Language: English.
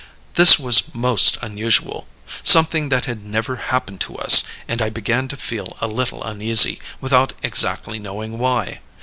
This was most unusual; something that had never happened to us, and I began to feel a little uneasy, without exactly knowing why.